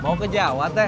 mau ke jawa teh